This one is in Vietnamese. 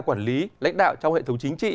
quản lý lãnh đạo trong hệ thống chính trị